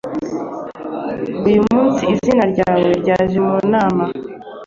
Uyu munsi, izina ryawe ryaje mu nama.